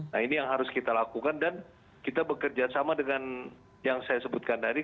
nah ini yang harus kita lakukan dan kita bekerja sama dengan yang saya sebutkan tadi